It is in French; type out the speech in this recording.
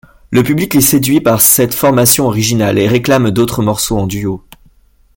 Le public est séduit par cette formation originale et réclame d'autres morceaux en duo.